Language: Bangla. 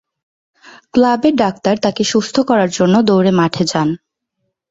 ক্লাবের ডাক্তার তাকে সুস্থ করার জন্য দৌড়ে মাঠে যান।